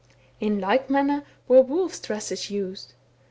In like manner were wolves' dresses used.